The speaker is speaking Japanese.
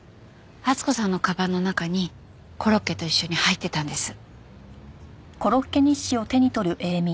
温子さんのかばんの中にコロッケと一緒に入ってたんです。